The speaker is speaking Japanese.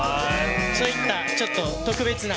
そういったちょっと特別な。